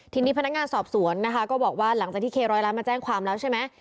ทีนี้พนักงานสอบสวนนะคะก็บอกว่าหลังจากที่เคร้อยล้านมาแจ้งความแล้วใช่ไหม